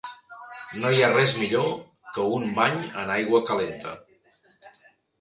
No hi ha res millor que un bany en aigua calenta.